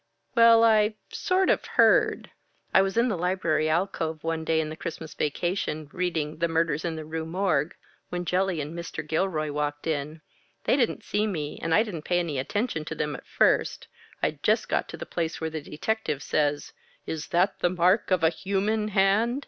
"Well, I sort of heard. I was in the library alcove one day in the Christmas vacation, reading the 'Murders in the Rue Morgue,' when Jelly and Mr. Gilroy walked in. They didn't see me, and I didn't pay any attention to them at first I'd just got to the place where the detective says, 'Is that the mark of a human hand?'